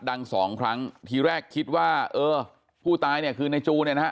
ดังสองครั้งทีแรกคิดว่าเออผู้ตายเนี่ยคือในจูเนี่ยนะฮะ